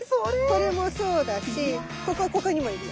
これもそうだしここにもいるよね。